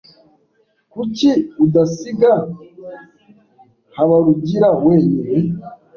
Kuki udasiga Habarugira wenyine?